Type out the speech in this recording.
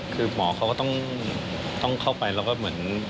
คือหมอเขาก็ต้องเข้าไปแล้วก็เหมือน